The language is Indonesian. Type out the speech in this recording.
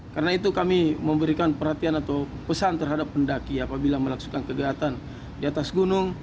karena itu kami memberikan perhatian atau pesan terhadap pendaki apabila melaksukkan kegiatan di atas gunung